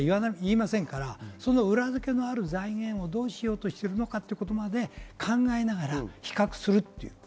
私たちが選ぶ場合は、みんないいことしか言いませんから、その裏付けのある財源をどうしようとしているのかということまで考えながら比較する。